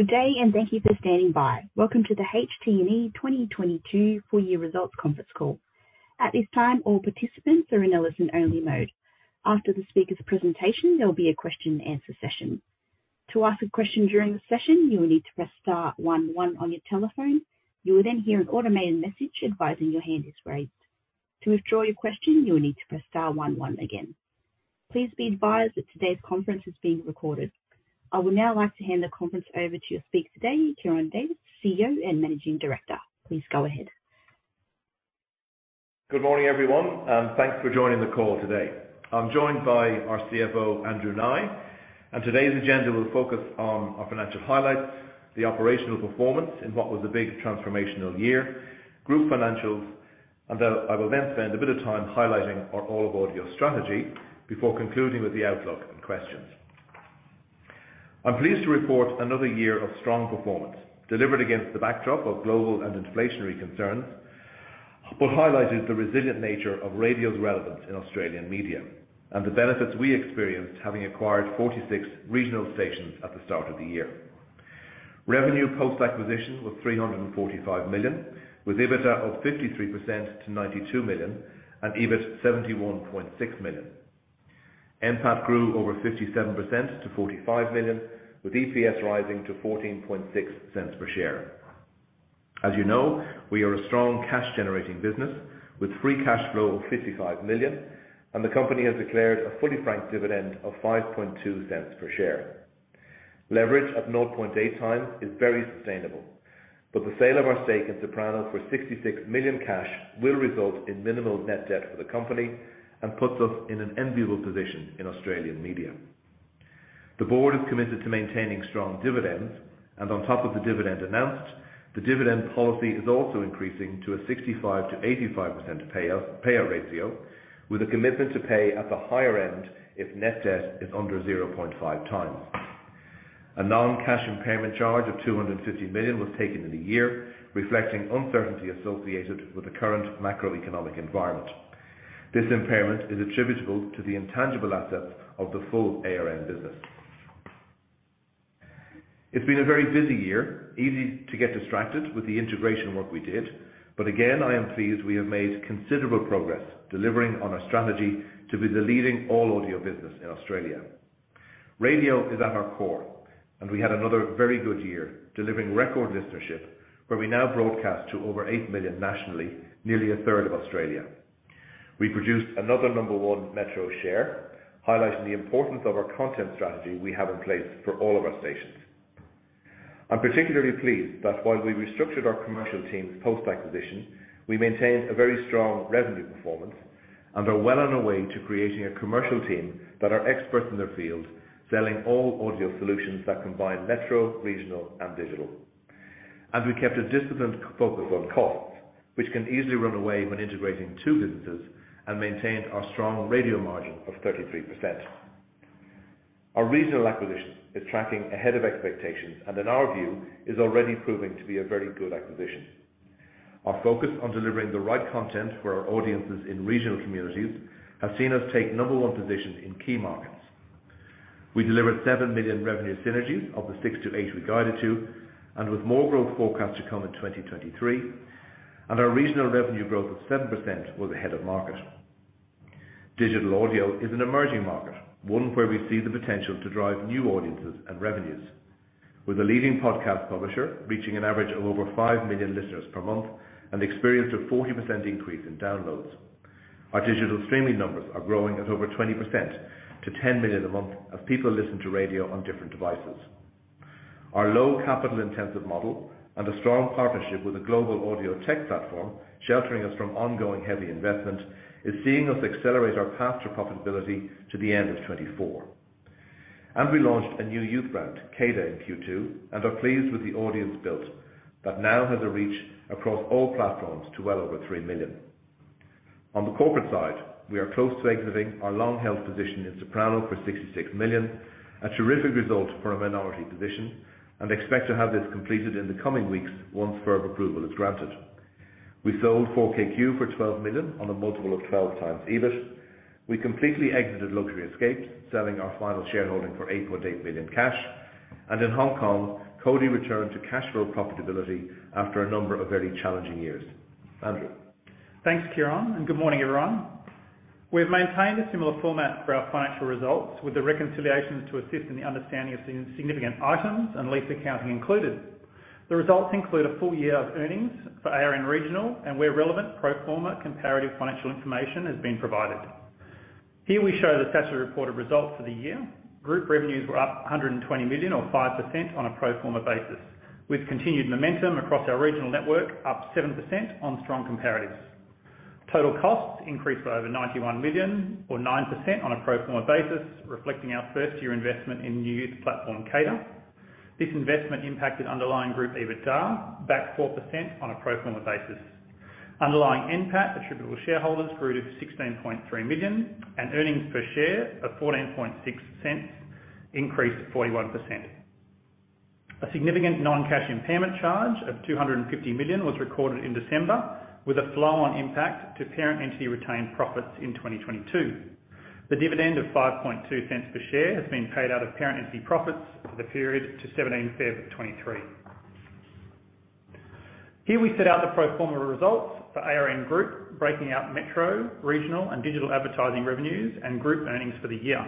Good day, and thank you for standing by. Welcome to the HT&E 2022 full year results conference call. At this time, all participants are in a listen-only mode. After the speaker's presentation, there'll be a question and answer session. To ask a question during the session, you will need to press star one one on your telephone. You will then hear an automated message advising your hand is raised. To withdraw your question, you will need to press star one one again. Please be advised that today's conference is being recorded. I would now like to hand the conference over to your speaker today, Ciaran Davis, CEO and Managing Director. Please go ahead. Good morning, everyone. Thanks for joining the call today. I'm joined by our CFO, Andrew Nye, and today's agenda will focus on our financial highlights, the operational performance in what was a big transformational year, group financials, and I will then spend a bit of time highlighting our all-audio strategy before concluding with the outlook and questions. I'm pleased to report another year of strong performance delivered against the backdrop of global and inflationary concerns. Highlighted the resilient nature of radio's relevance in Australian media and the benefits we experienced having acquired 46 regional stations at the start of the year. Revenue post-acquisition was 345 million, with EBITDA of 53% to 92 million, and EBIT 71.6 million. NPAT grew over 57% to 45 million, with EPS rising to 0.146 per share. As you know, we are a strong cash-generating business with free cash flow of 55 million, the company has declared a fully franked dividend of 0.052 per share. Leverage at 0.8x is very sustainable, the sale of our stake in Soprano for 66 million cash will result in minimal net debt for the company and puts us in an enviable position in Australian media. The board is committed to maintaining strong dividends, on top of the dividend announced, the dividend policy is also increasing to a 65%-85% payout ratio with a commitment to pay at the higher end if net debt is under 0.5x. A non-cash impairment charge of 250 million was taken in the year, reflecting uncertainty associated with the current macroeconomic environment. This impairment is attributable to the intangible assets of the full ARN Media. It's been a very busy year, easy to get distracted with the integration work we did. Again, I am pleased we have made considerable progress delivering on our strategy to be the leading all-audio business in Australia. Radio is at our core. We had another very good year delivering record listenership, where we now broadcast to over 8 million nationally, nearly a third of Australia. We produced another number one metro share, highlighting the importance of our content strategy we have in place for all of our stations. I'm particularly pleased that while we restructured our commercial teams post-acquisition, we maintained a very strong revenue performance and are well on our way to creating a commercial team that are experts in their field, selling all-audio solutions that combine metro, regional, and digital. We kept a disciplined focus on costs, which can easily run away when integrating two businesses, and maintained our strong radio margin of 33%. Our Regional acquisition is tracking ahead of expectations and in our view, is already proving to be a very good acquisition. Our focus on delivering the right content for our audiences in regional communities has seen us take number one position in key markets. We delivered 7 million revenue synergies of the 6 million-8 million we guided to, and with more growth forecast to come in 2023, and our Regional revenue growth of 7% was ahead of market. Digital audio is an emerging market, one where we see the potential to drive new audiences and revenues. We're the leading podcast publisher, reaching an average of over 5 million listeners per month and experienced a 40% increase in downloads. Our digital streaming numbers are growing at over 20% to 10 million a month as people listen to radio on different devices. Our low capital-intensive model and a strong partnership with a global audio tech platform sheltering us from ongoing heavy investment is seeing us accelerate our path to profitability to the end of 2024. We launched a new youth brand, CADA, in Q2, and are pleased with the audience built that now has a reach across all platforms to well over 3 million. On the corporate side, we are close to exiting our long-held position in Soprano for 66 million, a terrific result for a minority position, and expect to have this completed in the coming weeks once FIRB approval is granted. We sold 4KQ for 12 million on a multiple of 12x EBIT. We completely exited Luxury Escapes, selling our final shareholding for 8.8 million cash. In Hong Kong, Cody returned to cash flow profitability after a number of very challenging years. Andrew. Thanks, Ciaran. Good morning, everyone. We've maintained a similar format for our financial results with the reconciliations to assist in the understanding of significant items and lease accounting included. The results include a full year of earnings for ARN Regional, and where relevant, pro forma comparative financial information has been provided. Here we show the statutory reported results for the year. Group revenues were up 120 million or 5% on a pro forma basis, with continued momentum across our regional network up 7% on strong comparatives. Total costs increased by over 91 million or 9% on a pro forma basis, reflecting our first-year investment in new youth platform, CADA. This investment impacted underlying group EBITDA back 4% on a pro forma basis. Underlying NPAT attributable to shareholders grew to 16.3 million. Earnings per share of 0.146 increased 41%. A significant non-cash impairment charge of 250 million was recorded in December, with a flow-on impact to parent entity retained profits in 2022. The dividend of 0.052 per share has been paid out of parent profits for the period to February 17, 2023. Here we set out the pro forma results for ARN Media, breaking out metro, regional and digital advertising revenues and group earnings for the year.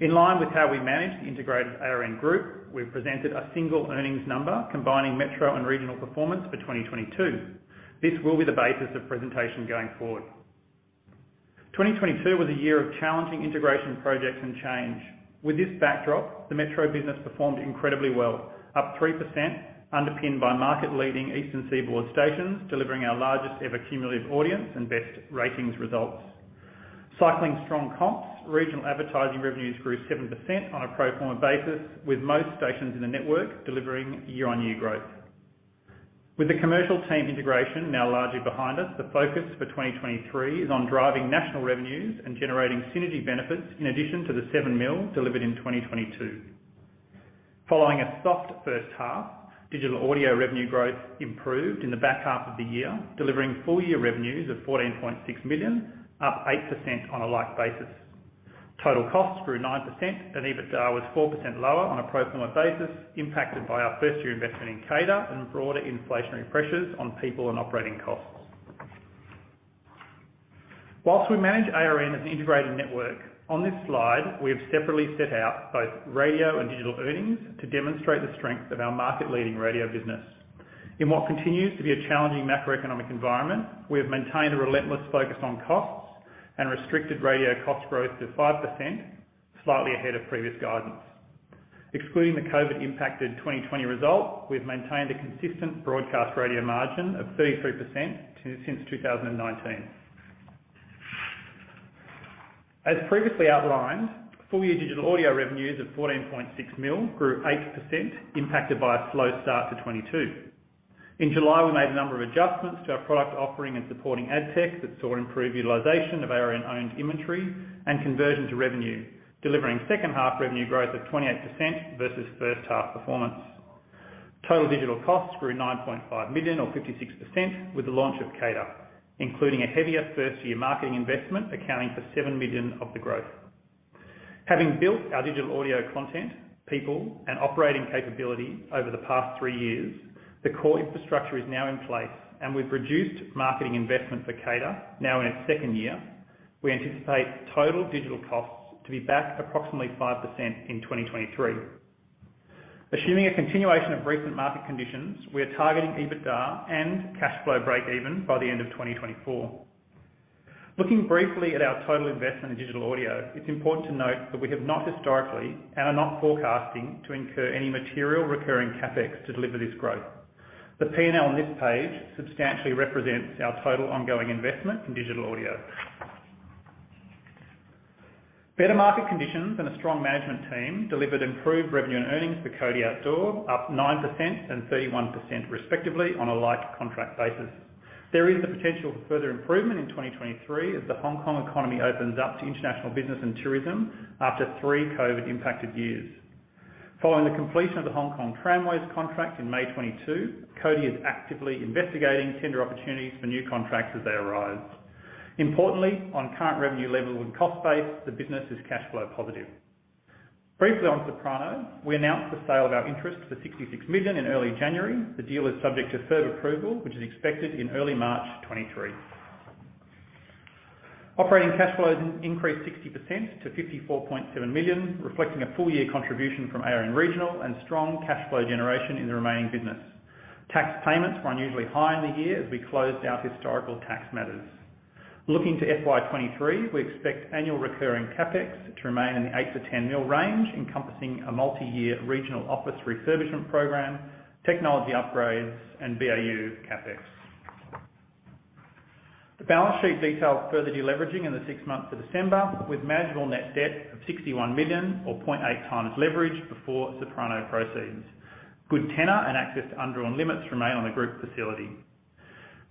In line with how we manage the integrated ARN Media, we've presented a single earnings number combining metro and regional performance for 2022. This will be the basis of presentation going forward. 2022 was a year of challenging integration projects and change. With this backdrop, the Metro business performed incredibly well, up 3% underpinned by market-leading Eastern Seaboard stations, delivering our largest ever cumulative audience and best ratings results. Cycling strong comps, Regional advertising revenues grew 7% on a pro forma basis, with most stations in the network delivering year-on-year growth. With the commercial team integration now largely behind us, the focus for 2023 is on driving national revenues and generating synergy benefits in addition to the 7 million delivered in 2022. Following a soft first half, digital audio revenue growth improved in the back half of the year, delivering full year revenues of 14.6 million, up 8% on a like basis. Total costs grew 9% and EBITDA was 4% lower on a pro forma basis, impacted by our first year investment in CADA and broader inflationary pressures on people and operating costs. Whilst we manage ARN as an integrated network, on this slide, we have separately set out both radio and digital earnings to demonstrate the strength of our market-leading radio business. In what continues to be a challenging macroeconomic environment, we have maintained a relentless focus on costs and restricted radio cost growth to 5%, slightly ahead of previous guidance. Excluding the COVID-impacted 2020 result, we've maintained a consistent broadcast radio margin of 33% since 2019. As previously outlined, full year digital audio revenues of 14.6 million grew 8% impacted by a slow start to 2022. In July, we made a number of adjustments to our product offering and supporting ad tech that saw improved utilization of ARN-owned imagery and conversion to revenue, delivering second half revenue growth of 28% versus first half performance. Total digital costs grew 9.5 million or 56% with the launch of CADA, including a heavier first-year marketing investment accounting for 7 million of the growth. Having built our digital audio content, people and operating capability over the past three years, the core infrastructure is now in place, we've reduced marketing investment for CADA now in its second year. We anticipate total digital costs to be back approximately 5% in 2023. Assuming a continuation of recent market conditions, we are targeting EBITDA and cash flow breakeven by the end of 2024. Looking briefly at our total investment in digital audio, it's important to note that we have not historically and are not forecasting to incur any material recurring CapEx to deliver this growth. The P&L on this page substantially represents our total ongoing investment in digital audio. Better market conditions and a strong management team delivered improved revenue and earnings for Cody Outdoor, up 9% and 31% respectively on a like contract basis. There is the potential for further improvement in 2023 as the Hong Kong economy opens up to international business and tourism after three COVID-impacted years. Following the completion of the Hong Kong Tramways contract in May 2022, Cody is actively investigating tender opportunities for new contracts as they arise. Importantly, on current revenue levels and cost base, the business is cash flow positive. Briefly on Soprano, we announced the sale of our interest for AUD 66 million in early January. The deal is subject to further approval, which is expected in early March 2023. Operating cash flow increased 60% to 54.7 million, reflecting a full year contribution from ARN Regional and strong cash flow generation in the remaining business. Tax payments were unusually high in the year as we closed out historical tax matters. Looking to FY 2023, we expect annual recurring CapEx to remain in the 8 mil-10 mil range, encompassing a multi-year regional office refurbishment program, technology upgrades, and BAU CapEx. The balance sheet details further deleveraging in the 6 months to December, with manageable net debt of 61 million or 0.8 times leverage before Soprano proceeds. Good tenor and access to undrawn limits remain on the group's facility.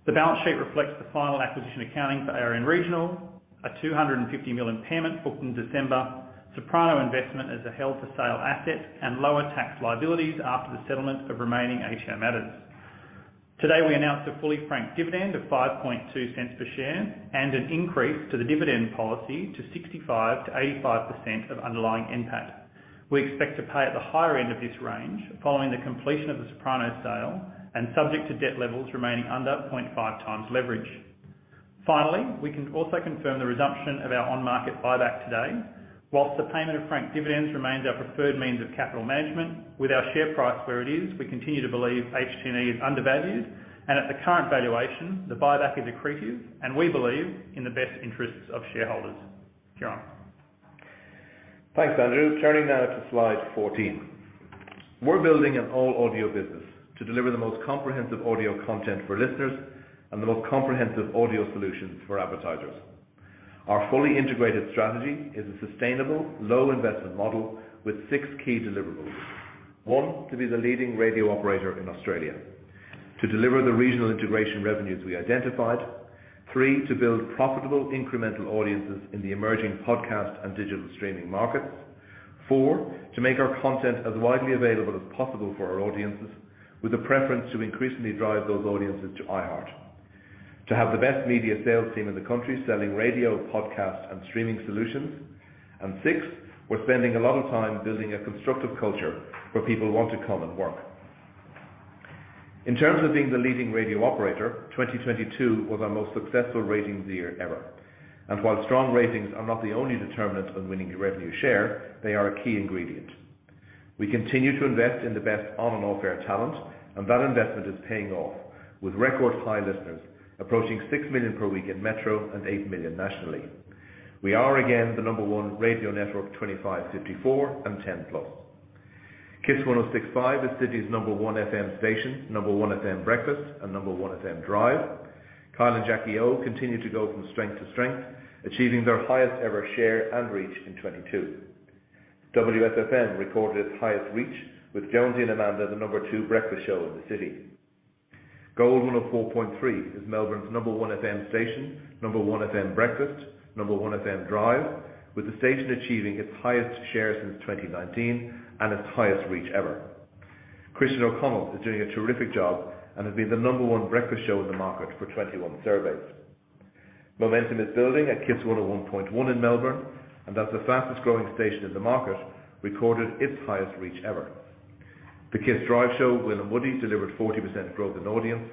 The balance sheet reflects the final acquisition accounting for ARN Regional, a 250 million impairment booked in December, Soprano investment as a held-for-sale asset, and lower tax liabilities after the settlement of remaining Asia matters. Today, we announced a fully franked dividend of 0.052 per share and an increase to the dividend policy to 65%-85% of underlying NPAT. We expect to pay at the higher end of this range following the completion of the Soprano sale and subject to debt levels remaining under 0.5 times leverage. We can also confirm the resumption of our on-market buyback today. While the payment of franked dividends remains our preferred means of capital management, with our share price where it is, we continue to believe HT&E is undervalued, and at the current valuation, the buyback is accretive, and we believe in the best interests of shareholders. Ciaran. Thanks, Andrew. Turning now to slide 14. We're building an all-audio business to deliver the most comprehensive audio content for listeners and the most comprehensive audio solutions for advertisers. Our fully integrated strategy is a sustainable low investment model with 6 key deliverables. 1, to be the leading radio operator in Australia. 2, deliver the regional integration revenues we identified. 3, to build profitable incremental audiences in the emerging podcast and digital streaming markets. 4, to make our content as widely available as possible for our audiences with a preference to increasingly drive those audiences to iHeart. To have the best media sales team in the country selling radio, podcast, and streaming solutions. Sixth, we're spending a lot of time building a constructive culture where people want to come and work. In terms of being the leading radio operator, 2022 was our most successful ratings year ever. While strong ratings are not the only determinant of winning revenue share, they are a key ingredient. We continue to invest in the best on and off-air talent, and that investment is paying off with record high listeners approaching 6 million per week in metro and 8 million nationally. We are again the number one radio network, 25-54 and 10+. KIIS 106.5 is city's number one FM station, number one FM breakfast, and number one FM drive. Kyle and Jackie O continue to go from strength to strength, achieving their highest ever share and reach in 2022. WSFM recorded its highest reach with Jonesy and Amanda, the number two breakfast show in the city. Gold 104.3 is Melbourne's number one FM station, number one FM breakfast, number one FM drive with the station achieving its highest share since 2019 and its highest reach ever. Christian O'Connell is doing a terrific job and has been the number one breakfast show in the market for 21 surveys. Momentum is building at KIIS 101.1 in Melbourne, and that's the fastest growing station in the market, recorded its highest reach ever. The KIIS Drive Show, Will & Woody, delivered 40% growth in audience,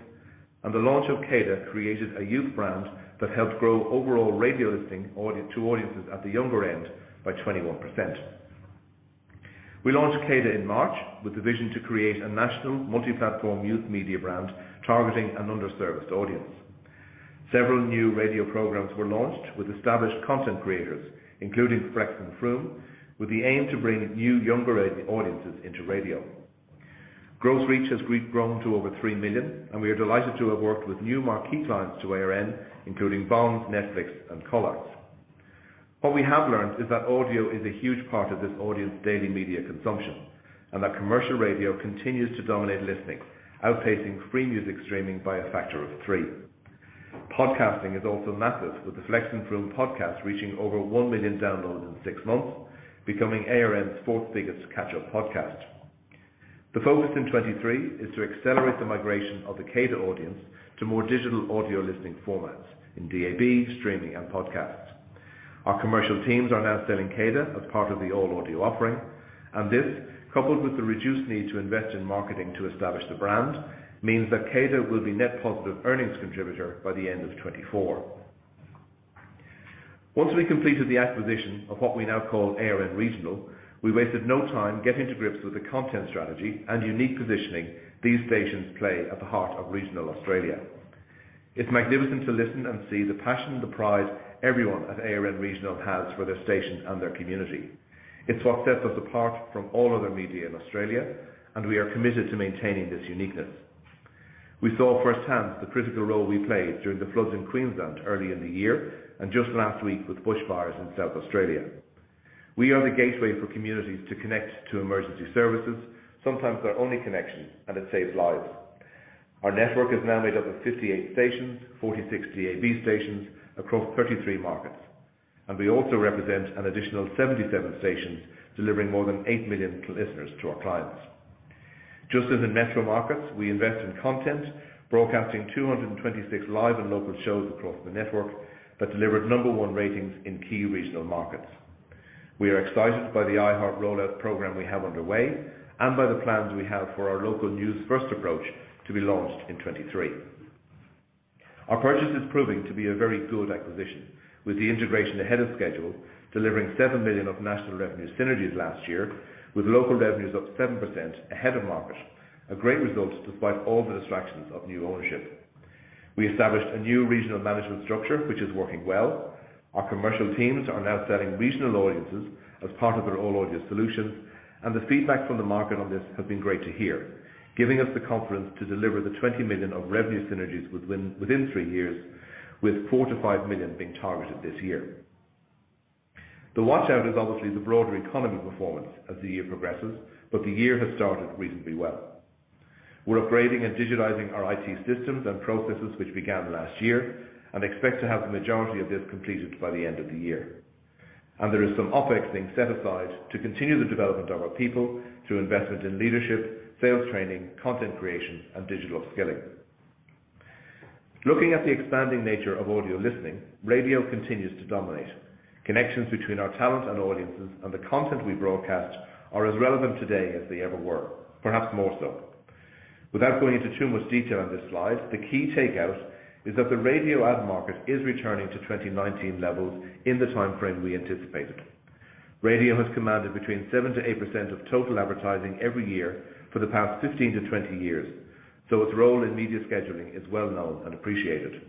and the launch of CADA created a youth brand that helped grow overall radio listening to audiences at the younger end by 21%. We launched CADA in March with the vision to create a national multi-platform youth media brand targeting an underserviced audience. Several new radio programs were launched with established content creators, including Flex & Froomes, with the aim to bring new younger audiences into radio. Gross reach has grown to over 3 million, and we are delighted to have worked with new marquee clients to ARN, including Bonds, Netflix, and Coles. What we have learned is that audio is a huge part of this audience daily media consumption, and that commercial radio continues to dominate listening, outpacing free music streaming by a factor of 3. Podcasting is also massive, with the Flex & Froomes podcast reaching over 1 million downloads in six months, becoming ARN's fourth-biggest catch-up podcast. The focus in 2023 is to accelerate the migration of the CADA audience to more digital audio listening formats in DAB, streaming, and podcasts. Our commercial teams are now selling CADA as part of the all audio offering, and this, coupled with the reduced need to invest in marketing to establish the brand, means that CADA will be net positive earnings contributor by the end of 2024. Once we completed the acquisition of what we now call ARN Regional, we wasted no time getting to grips with the content strategy and unique positioning these stations play at the heart of regional Australia. It's magnificent to listen and see the passion, the pride everyone at ARN Regional has for their station and their community. It's what sets us apart from all other media in Australia. We are committed to maintaining this uniqueness. We saw firsthand the critical role we played during the floods in Queensland early in the year. Just last week with bushfires in South Australia. We are the gateway for communities to connect to emergency services, sometimes their only connection. It saves lives. Our network is now made up of 58 stations, 46 DAB stations across 33 markets, and we also represent an additional 77 stations, delivering more than 8 million listeners to our clients. Just as in metro markets, we invest in content broadcasting 226 live and local shows across the network that delivered number one ratings in key regional markets. We are excited by the iHeart rollout program we have underway and by the plans we have for our local news-first approach to be launched in 2023. Our purchase is proving to be a very good acquisition, with the integration ahead of schedule delivering $7 million of national revenue synergies last year, with local revenues up 7% ahead of market, a great result despite all the distractions of new ownership. We established a new regional management structure, which is working well. Our commercial teams are now selling regional audiences as part of their all-audience solutions, and the feedback from the market on this has been great to hear, giving us the confidence to deliver the 20 million of revenue synergies within 3 years with 4 million-5 million being targeted this year. The watch-out is obviously the broader economy performance as the year progresses, but the year has started reasonably well. We're upgrading and digitizing our IT systems and processes, which began last year, and expect to have the majority of this completed by the end of the year. There is some OpEx being set aside to continue the development of our people through investment in leadership, sales training, content creation, and digital skilling. Looking at the expanding nature of audio listening, radio continues to dominate. Connections between our talent and audiences and the content we broadcast are as relevant today as they ever were, perhaps more so. Without going into too much detail on this slide, the key takeout is that the radio ad market is returning to 2019 levels in the timeframe we anticipated. Radio has commanded between 7%-8% of total advertising every year for the past 15-20 years, so its role in media scheduling is well known and appreciated.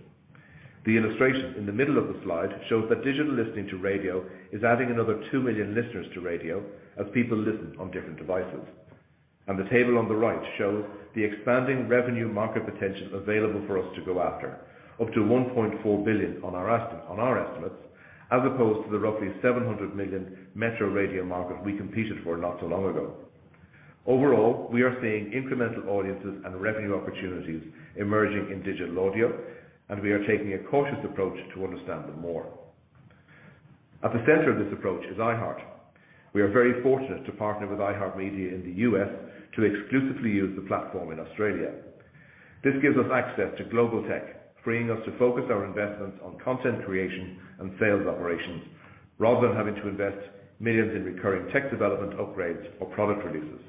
The illustration in the middle of the slide shows that digital listening to radio is adding another 2 million listeners to radio as people listen on different devices. The table on the right shows the expanding revenue market potential available for us to go after, up to 1.4 billion on our estimates, as opposed to the roughly 700 million metro radio market we competed for not so long ago. Overall, we are seeing incremental audiences and revenue opportunities emerging in digital audio. We are taking a cautious approach to understand them more. At the center of this approach is iHeart. We are very fortunate to partner with iHeartMedia in the U.S. to exclusively use the platform in Australia. This gives us access to global tech, freeing us to focus our investments on content creation and sales operations, rather than having to invest millions in recurring tech development upgrades or product releases.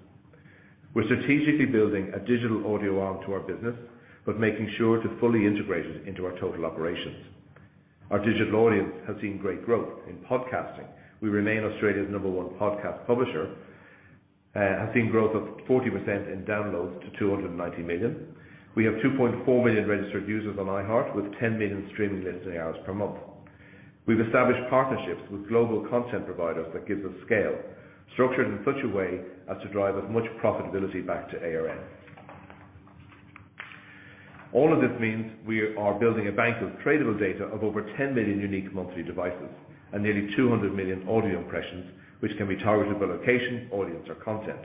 We're strategically building a digital audio arm to our business, but making sure to fully integrate it into our total operations. Our digital audience has seen great growth in podcasting. We remain Australia's number one podcast publisher, have seen growth of 40% in downloads to 290 million. We have 2.4 million registered users on iHeart, with 10 million streaming listening hours per month. We've established partnerships with global content providers that gives us scale, structured in such a way as to drive as much profitability back to ARN. All of this means we are building a bank of tradable data of over 10 million unique monthly devices and nearly 200 million audio impressions, which can be targeted by location, audience, or content.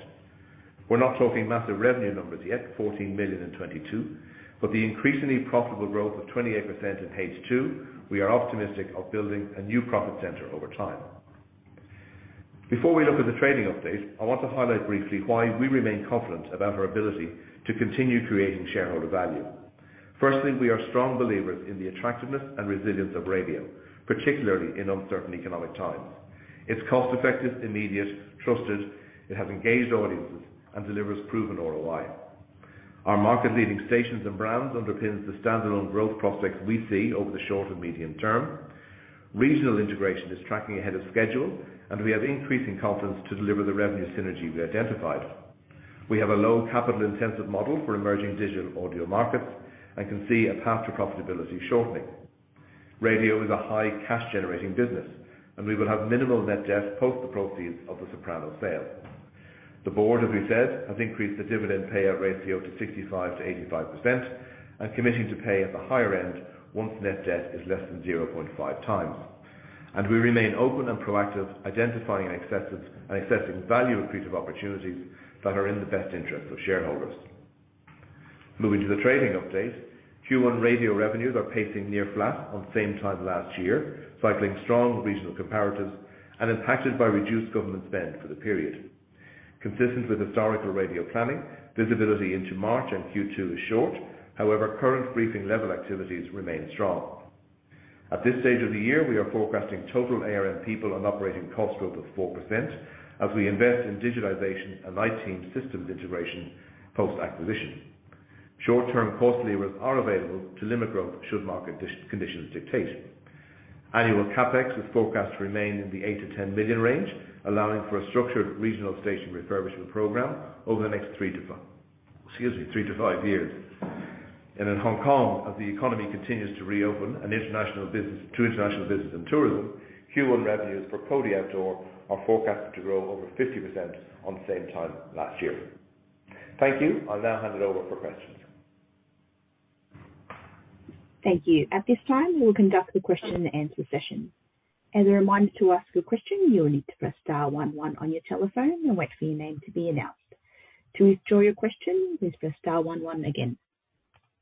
We're not talking massive revenue numbers yet, 14 million in 2022, the increasingly profitable growth of 28% in H2, we are optimistic of building a new profit center over time. Before we look at the trading update, I want to highlight briefly why we remain confident about our ability to continue creating shareholder value. Firstly, we are strong believers in the attractiveness and resilience of radio, particularly in uncertain economic times. It's cost-effective, immediate, trusted, it has engaged audiences and delivers proven ROI. Our market-leading stations and brands underpins the standalone growth prospects we see over the short and medium term. Regional integration is tracking ahead of schedule, we have increasing confidence to deliver the revenue synergy we identified. We have a low capital-intensive model for emerging digital audio markets and can see a path to profitability shortening. Radio is a high cash-generating business, and we will have minimal net debt post the proceeds of the Soprano sale. The board, as we said, have increased the dividend payout ratio to 65%-85% and committing to pay at the higher end once net debt is less than 0.5 times. We remain open and proactive, identifying and accessing value accretive opportunities that are in the best interest of shareholders. Moving to the trading update, Q1 radio revenues are pacing near flat on the same time last year, cycling strong regional comparatives and impacted by reduced government spend for the period. Consistent with historical radio planning, visibility into March and Q2 is short. However, current briefing level activities remain strong. At this stage of the year, we are forecasting total ARN people on operating cost growth of 4% as we invest in digitization and IT team systems integration post-acquisition. Short-term cost levers are available to limit growth should market conditions dictate. Annual CapEx is forecast to remain in the 8 million-10 million range, allowing for a structured regional station refurbishment program over the next Excuse me, three to five years. In Hong Kong, as the economy continues to reopen to international business and tourism, Q1 revenues for Cody Outdoor are forecasted to grow over 50% on the same time last year. Thank you. I'll now hand it over for questions. Thank you. At this time, we will conduct the question and answer session. As a reminder, to ask a question, you will need to press star 11 on your telephone and wait for your name to be announced. To withdraw your question, please press star 11 again.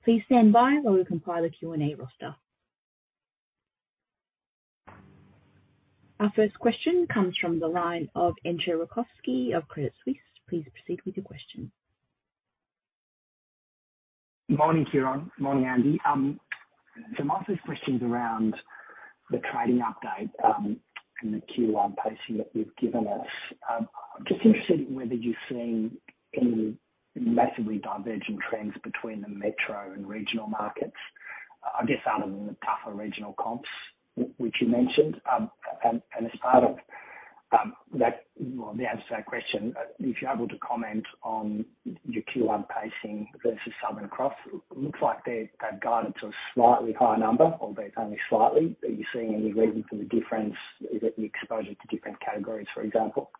Please stand by while we compile a Q&A roster. Our first question comes from the line of Entcho Raykovski of Credit Suisse. Please proceed with your question. Morning, Ciaran. Morning, Andy. My first question's around the trading update and the Q1 pacing that you've given us. Just interested in whether you're seeing any massively divergent trends between the metro and regional markets, I guess other than the tougher regional comps which you mentioned. And as part of that... Well, the answer to that question, if you're able to comment on your Q1 pacing versus Southern Cross. Looks like they've guided to a slightly higher number, albeit only slightly. Are you seeing any reason for the difference? Is it the exposure to different categories, for example?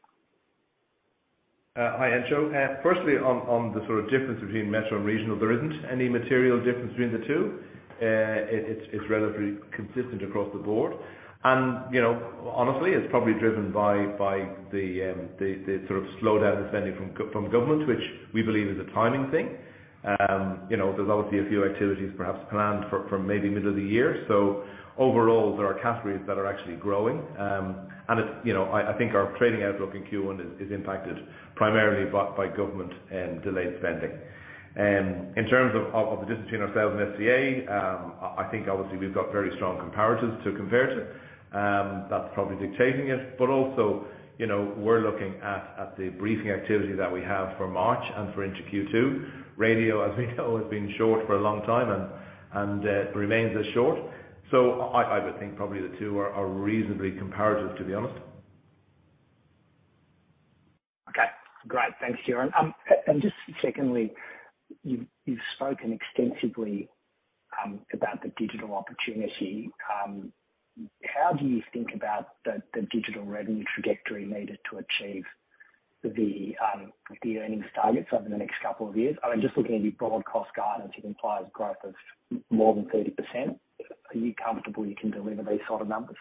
Hi, Entcho. Firstly, on the sort of difference between Metro and Regional, there isn't any material difference between the two. It's relatively consistent across the board. You know, honestly, it's probably driven by the sort of slowdown in spending from government, which we believe is a timing thing. You know, there's obviously a few activities perhaps planned for maybe middle of the year. Overall, there are categories that are actually growing. You know, I think our trading outlook in Q1 is impacted primarily by government delayed spending. In terms of the difference between ourselves and SCA, I think obviously we've got very strong comparatives to compare to. That's probably dictating it. Also, you know, we're looking at the briefing activity that we have for March and for into Q2. Radio, as we know, has been short for a long time and, remains as short. I would think probably the two are reasonably comparative, to be honest. Okay. Great. Thanks, Ciaran. Just secondly, you've spoken extensively, about the digital opportunity. How do you think about the digital revenue trajectory needed to achieve the earnings targets over the next couple of years? I mean, just looking at your broad cost guidance, it implies growth of more than 30%. Are you comfortable you can deliver these sort of numbers?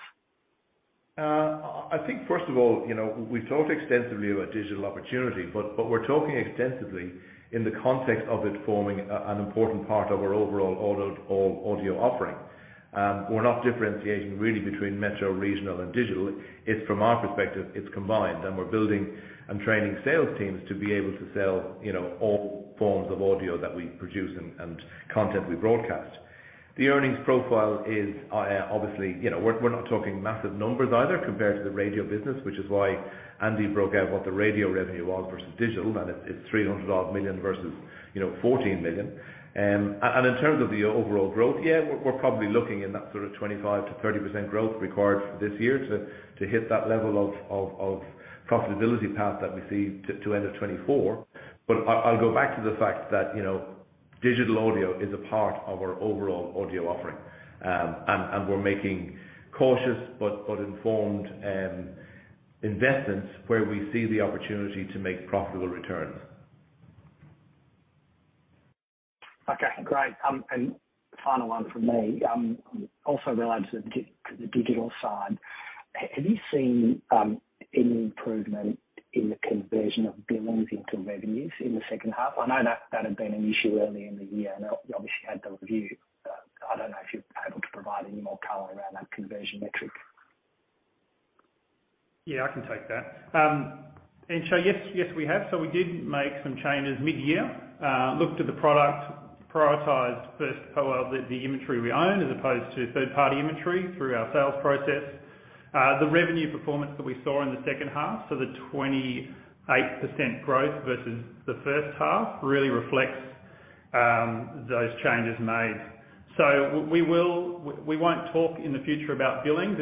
I think first of all, you know, we've talked extensively about digital opportunity, but we're talking extensively in the context of it forming an important part of our overall audio offering. We're not differentiating really between Metro, Regional and digital. It's from our perspective, it's combined, we're building and training sales teams to be able to sell, you know, all forms of audio that we produce and content we broadcast. The earnings profile is obviously, you know, we're not talking massive numbers either compared to the radio business, which is why Andy broke out what the radio revenue was versus digital, and it's 300 odd million versus, you know, 14 million. In terms of the overall growth, yeah, we're probably looking in that sort of 25%-30% growth required for this year to hit that level of profitability path that we see to end of 2024. I'll go back to the fact that, you know, digital audio is a part of our overall audio offering. We're making cautious but informed investments where we see the opportunity to make profitable returns. Okay, great. Final one from me, also related to the digital side. Have you seen any improvement in the conversion of billings into revenues in the second half? I know that that had been an issue early in the year, and obviously you had the review. I don't know if you're able to provide any more color around that conversion metric. Yeah, I can take that. Yes, we have. We did make some changes mid-year. Looked at the product, prioritized first, well, the inventory we own as opposed to third-party inventory through our sales process. The revenue performance that we saw in the second half, so the 28% growth versus the first half really reflects those changes made. We won't talk in the future about billings.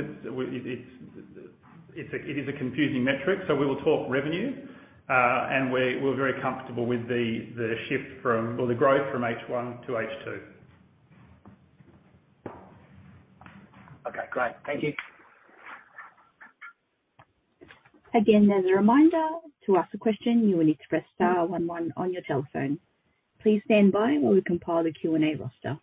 It's a confusing metric, we will talk revenue, and we're very comfortable with the shift from, or the growth from H1 to H2. Okay, great. Thank you. Again, as a reminder, to ask a question, you will need to press star one one on your telephone. Please stand by while we compile the Q&A roster.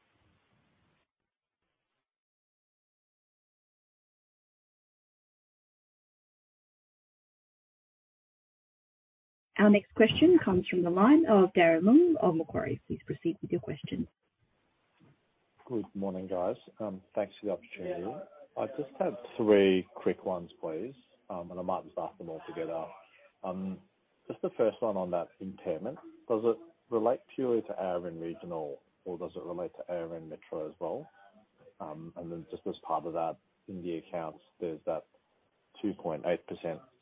Our next question comes from the line of Darren Leung of Macquarie. Please proceed with your question. Good morning, guys. Thanks for the opportunity. I just have 3 quick ones, please. I might just ask them all together. Just the first one on that impairment. Does it relate purely to ARN Regional or does it relate to ARN Metro as well? Then just as part of that, in the accounts, there's that 2.8%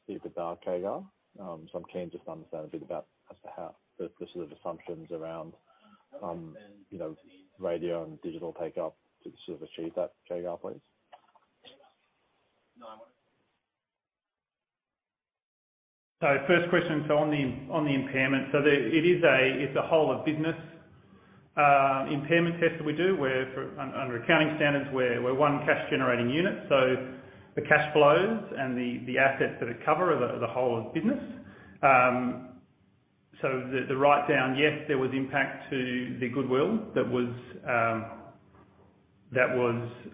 EBITDA CAGR. I'm keen just to understand a bit about as to how the sort of assumptions around, you know, radio and digital take up to sort of achieve that CAGR, please. First question, on the impairment. It is a, it's a whole of business impairment test that we do, where under accounting standards, we're one cash-generating unit. The cash flows and the assets that it cover are the whole of business. The write down, yes, there was impact to the goodwill that was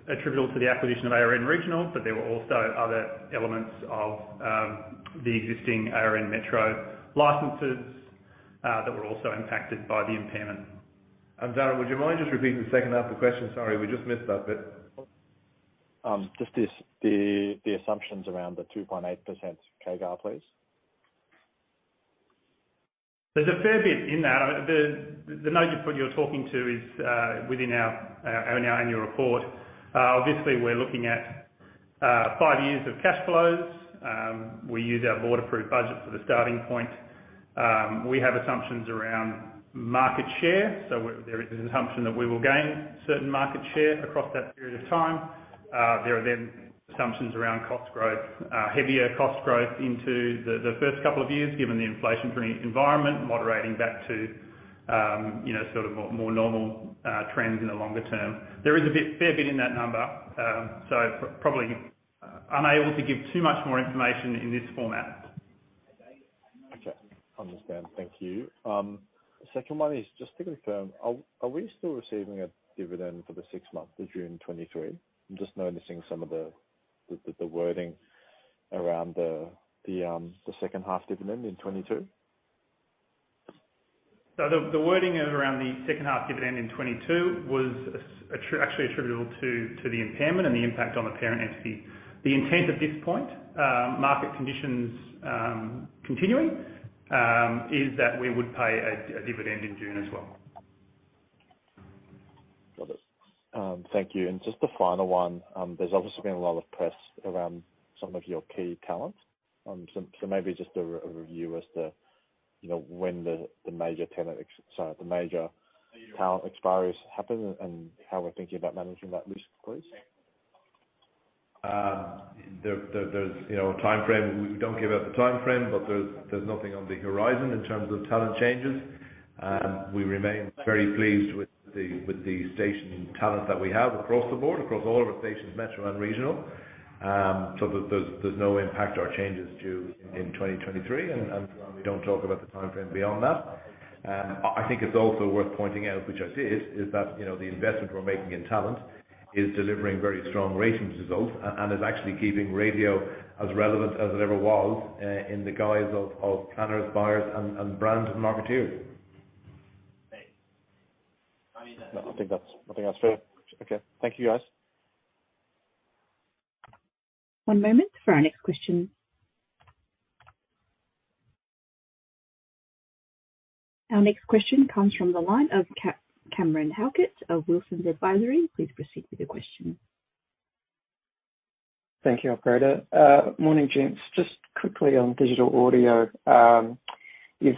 attributable to the acquisition of ARN Regional, but there were also other elements of the existing ARN Metro licenses that were also impacted by the impairment. Darren, would you mind just repeating the second half of the question? Sorry, we just missed that bit. Just the assumptions around the 2.8% CAGR, please. There's a fair bit in that. The note you're talking to is within our annual report. Obviously, we're looking at 5 years of cash flows. We use our board-approved budget for the starting point. We have assumptions around market share. There is an assumption that we will gain certain market share across that period of time. There are then assumptions around cost growth, heavier cost growth into the first couple of years, given the inflationary environment, moderating back to, you know, sort of more normal trends in the longer term. There is a fair bit in that number. Probably unable to give too much more information in this format. Okay. Understand. Thank you. Second one is just to confirm, are we still receiving a dividend for the sixth month of June 2023? I'm just noticing some of the wording around the second half dividend in 2022. The wording around the second half dividend in 2022 was actually attributable to the impairment and the impact on the parent entity. The intent at this point, market conditions continuing, is that we would pay a dividend in June as well. Got it. Thank you. Just a final one. There's obviously been a lot of press around some of your key talent. Maybe just a review as to, you know, when the major talent expiries happen and how we're thinking about managing that risk, please? There's, you know, a timeframe. We don't give out the timeframe. There's nothing on the horizon in terms of talent changes. We remain very pleased with the station talent that we have across the board, across all of our stations, Metro and Regional. There's no impact or changes due in 2023. We don't talk about the timeframe beyond that. I think it's also worth pointing out, which I did, is that, you know, the investment we're making in talent is delivering very strong ratings results and is actually keeping radio as relevant as it ever was in the guise of planners, buyers and brand marketeers. Great. I think that's fair. Okay. Thank you, guys. One moment for our next question. Our next question comes from the line of Cameron Halkett of Wilsons Advisory. Please proceed with your question. Thank you, operator. Morning, gents. Just quickly on digital audio. You've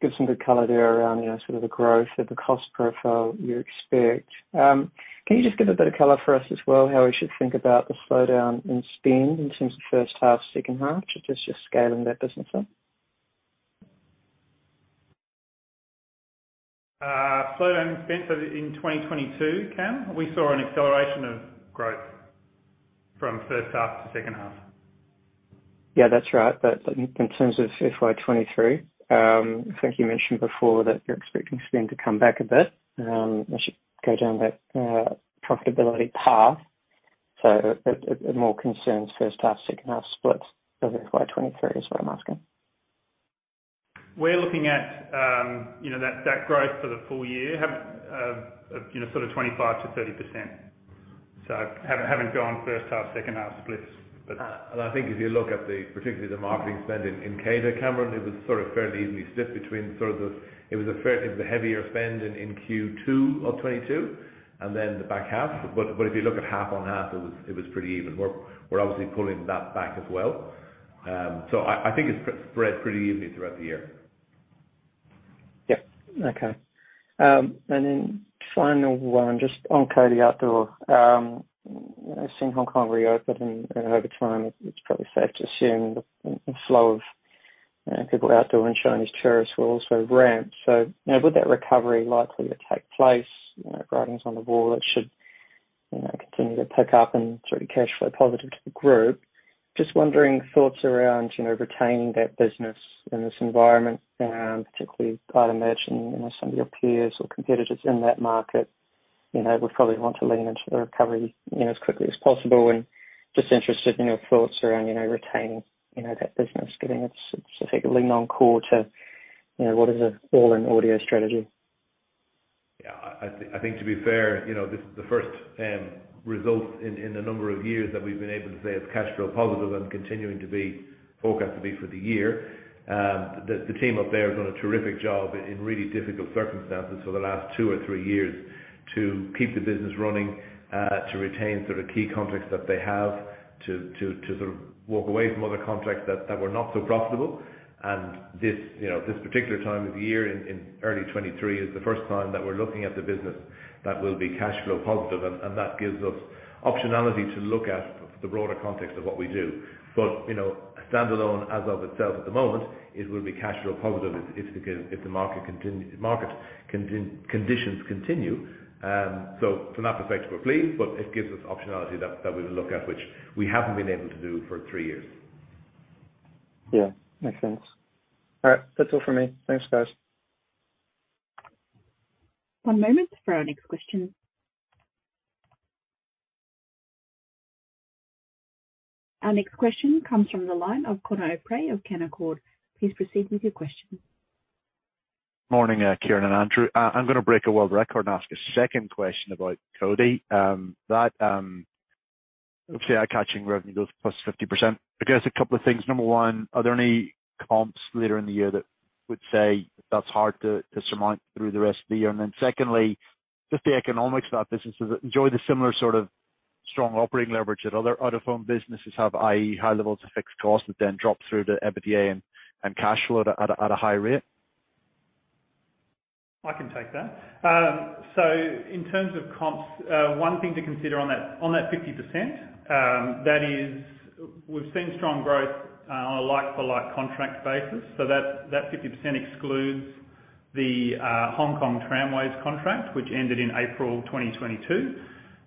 given some good color there around, you know, sort of the growth of the cost profile you expect. Can you just give a bit of color for us as well, how we should think about the slowdown in spend in terms of first half, second half? Just scaling that business up. Slowdown spend in 2022, Cam, we saw an acceleration of growth from first half to second half. Yeah, that's right. In, in terms of FY23, I think you mentioned before that you're expecting spend to come back a bit, as you go down that profitability path, so it more concerns first half, second half splits of FY23 is what I'm asking? We're looking at, you know, that growth for the full year have, you know, sort of 25%-30%. Haven't gone first half, second half splits. I think if you look at the, particularly the marketing spend in CADA, Cameron, it was fairly evenly split between a heavier spend in Q2 of 2022, and then the back half. If you look at half on half, it was pretty even. We're obviously pulling that back as well. I think it's spread pretty evenly throughout the year. Yep. Okay. Then final one, just on Cody Outdoor. I've seen Hong Kong reopen and over time it's probably fair to assume the flow of people outdoor and Chinese tourists will also ramp. With that recovery likely to take place, you know, writing's on the wall, it should, you know, continue to pick up and sort of cash flow positive to the group. Just wondering thoughts around, you know, retaining that business in this environment, particularly part of merchant, you know, some of your peers or competitors in that market, you know, would probably want to lean into the recovery, you know, as quickly as possible and just interested in your thoughts around, you know, retaining, you know, that business, giving it specifically non-core to, you know, what is an all-in audio strategy? I think to be fair, you know, this is the first result in a number of years that we've been able to say it's cash flow positive and continuing to be forecast to be for the year. The team up there has done a terrific job in really difficult circumstances for the last 2 or 3 years to keep the business running, to retain sort of key contracts that they have to sort of walk away from other contracts that were not so profitable. This, you know, this particular time of year in early 2023 is the first time that we're looking at the business that will be cash flow positive, and that gives us optionality to look at the broader context of what we do. you know, standalone as of itself at the moment, it will be cash flow positive if the market conditions continue. It's an appreciable plea, but it gives us optionality that we will look at which we haven't been able to do for three years. Yeah. Makes sense. All right. That's all for me. Thanks, guys. One moment for our next question. Our next question comes from the line of Conor O'Prey of Canaccord. Please proceed with your question. Morning, Ciaran and Andrew. I'm gonna break a world record and ask a second question about CODI. Obviously eye-catching revenue growth plus 50%. I guess a couple of things. Number one, are there any comps later in the year that would say that's hard to surmount through the rest of the year? Secondly, just the economics of that business. Does it enjoy the similar sort of strong operating leverage that other out-of-home businesses have, i.e., high levels of fixed costs that then drop through to EBITDA and cash flow at a high rate? I can take that. In terms of comps, one thing to consider on that, on that 50%, that is we've seen strong growth on a like-for-like contract basis. That, that 50% excludes the Hong Kong Tramways contract, which ended in April 2022.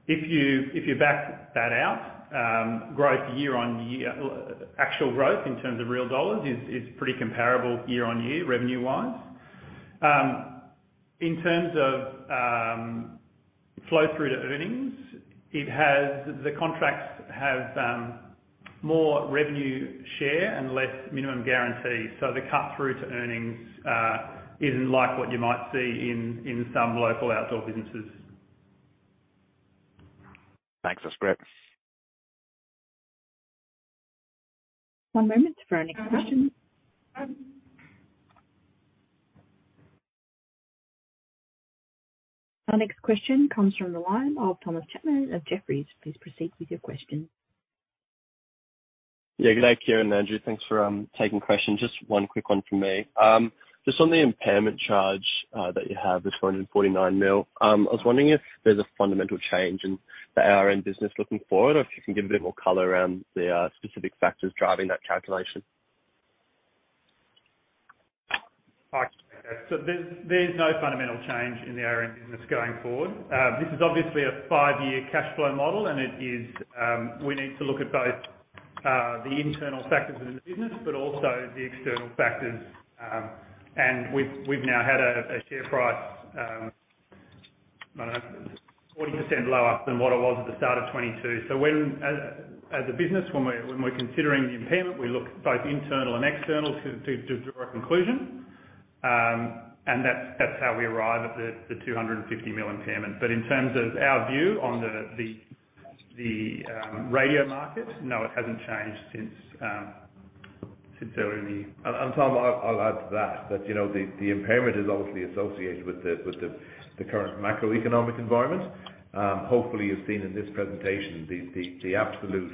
If you back that out, growth year on year, actual growth in terms of real dollars is pretty comparable year on year revenue wise. In terms of flow through to earnings, the contracts have more revenue share and less minimum guarantees. The cut-through to earnings isn't like what you might see in some local outdoor businesses. Thanks. That's great. One moment for our next question. Our next question comes from the line of Thomas Chapman of Jefferies. Please proceed with your question. Good day, Ciaran and Andrew. Thanks for taking the question. Just 1 quick one from me. Just on the impairment charge that you have, this 149 million, I was wondering if there's a fundamental change in the ARN business looking forward, or if you can give a bit more color around the specific factors driving that calculation. There's no fundamental change in the ARN business going forward. This is obviously a five-year cash flow model, and it is, we need to look at both the internal factors in the business, but also the external factors. We've now had a share price, I don't know, 40% lower than what it was at the start of 2022. As a business, when we're considering the impairment, we look both internal and external to draw a conclusion. That's how we arrive at the 250 million impairment. In terms of our view on the radio market, no, it hasn't changed since since early. Tom, I'll add to that. You know, the impairment is obviously associated with the current macroeconomic environment. Hopefully, you've seen in this presentation the absolute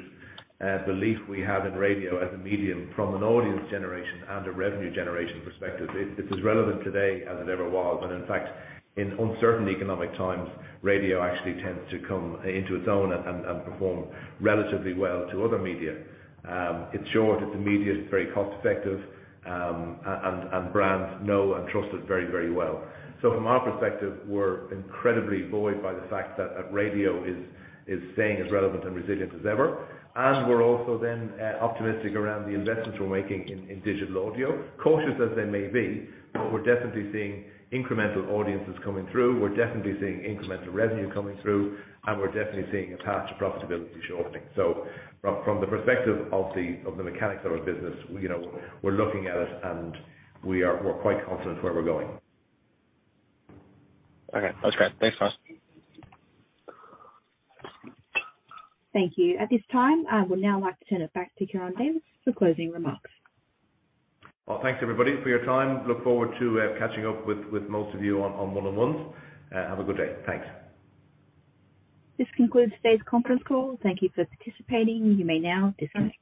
belief we have in radio as a medium from an audience generation and a revenue generation perspective. It's as relevant today as it ever was, when in fact, in uncertain economic times, radio actually tends to come into its own and perform relatively well to other media. It's short, it's immediate, it's very cost-effective, and brands know and trust it very, very well. From our perspective, we're incredibly buoyed by the fact that radio is staying as relevant and resilient as ever. We're also then optimistic around the investments we're making in digital audio. Cautious as they may be. We're definitely seeing incremental audiences coming through, we're definitely seeing incremental revenue coming through, and we're definitely seeing a path to profitability shortening. From the perspective of the mechanics of our business, you know, we're looking at it and we're quite confident where we're going. Okay. That's great. Thanks, guys. Thank you. At this time, I would now like to turn it back to Ciaran Davis for closing remarks. Thanks everybody for your time. Look forward to catching up with most of you on one-on-one. Have a good day. Thanks. This concludes today's conference call. Thank you for participating. You may now disconnect.